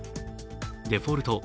デフォルト＝